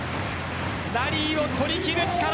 ラリーを取り切る力